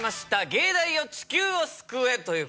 『藝大よ、地球を救え。』という。